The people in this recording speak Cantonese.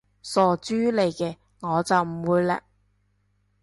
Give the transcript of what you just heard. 傻豬嚟嘅，我就唔會嘞